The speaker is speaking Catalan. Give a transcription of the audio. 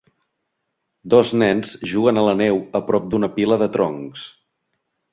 Dos nens juguen a la neu a prop d'una pila de troncs.